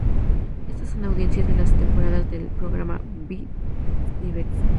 Estas son audiencias de las temporadas del programa "Be the best".